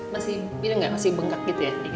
masih iya gak masih bengkak gitu ya